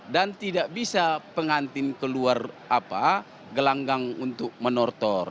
dan tidak bisa pengantin keluar gelanggang untuk menortor